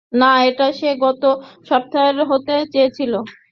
না, এটা সে গত সপ্তাহেই হতে চেয়েছিল।